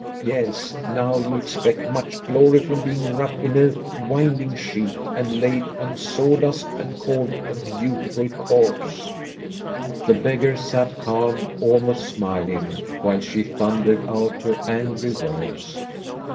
Yes, now you ex pect much glory from being wrapped in a winding sheet and laid on saw dust and called a beautiful corpse." The beggar sat calm, almost smiling, while she thundered out her angry words.